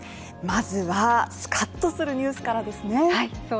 まずは、スカッとするニュースからですね。